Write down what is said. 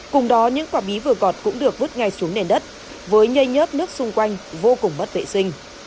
cùng đó những quả bí vừa gọt cũng được vứt ngay xuống nền đất với nhây nhớt nước xung quanh vô cùng bất vệ sinh